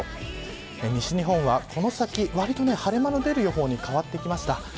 西日本は、この先晴れ間の出る予報に変わってきました。